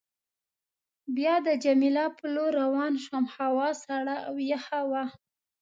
بیا د جميله په لور روان شوم، هوا سړه او یخه وه.